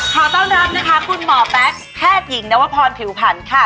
ขอต้อนรับนะคะคุณหมอแป๊กแพทย์หญิงนวพรผิวผันค่ะ